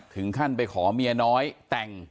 ถึงขั้นไปขอเมียน้อยแต่ง